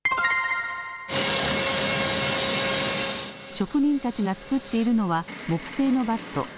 職人たちが作っているのは木製のバット。